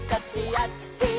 あっち！」